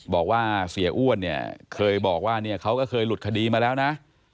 บอกว่าเสียอ้วนเนี่ยเคยบอกว่าเนี่ยเขาก็เคยหลุดคดีมาแล้วนะ